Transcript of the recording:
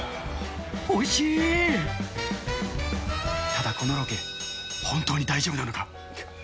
ただこのロケ、本当に大丈夫なのか。